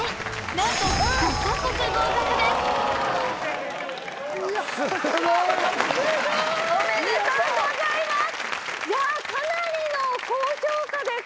なんと５か国合格です。